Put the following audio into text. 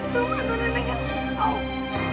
tunggu aku akan tinggal